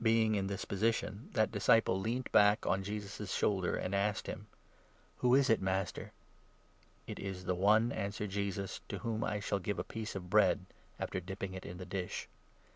Being in this position, that disciple leant back on Jesus' 25 shoulder, and asked him : "Who is it, Master?" " It is the one," answered Jesus, " to whom I shall give a 26 piece of bread after dipping it in the dish."